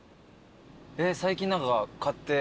最近何か買って。